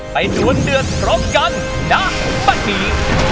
ไปดวนเดือนพร้อมกันนะปันนี้